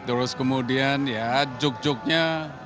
terus kemudian ya juk juknya